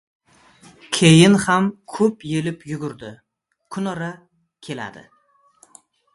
Keyin ham ko‘p yelib-yugurdi. Kunora keladi.